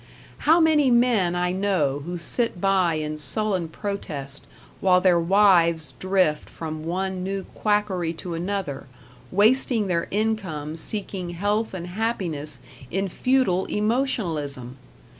How many men I know who sit by in sullen protest while their wives drift from one new quackery to another, wasting their income seeking health and happiness in futile emotionalism!